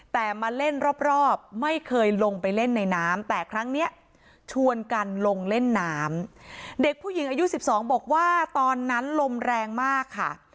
แต่มาเล่นรอบไม่เคยลงไปเล่นในน้ำแต่ครั้งนี้ชวนกันลงเล่นน้ำเด็กผู้หญิงอายุ๑๒บอกว่าตอนนั้นลมแรงมากค่ะ